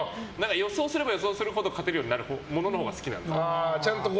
予想すればするほど勝てるものになるもののほうが好きなんですよ。